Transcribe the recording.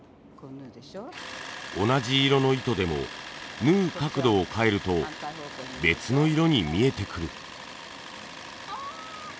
同じ色の糸でも縫う角度を変えると別の色に見えてくる。